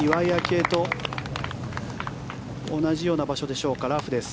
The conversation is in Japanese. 愛と同じような場所でしょうかラフです。